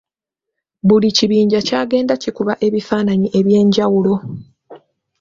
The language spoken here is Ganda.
Buli kibinja kyagenda kikuba ebifaananyi eby’enjawulo.